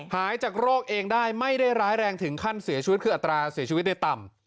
หายจากโรคเองได้ไม่ได้ร้ายแรงถึงขั้นเสียชีวิตคืออัตราเสียชีวิตได้ต่ำ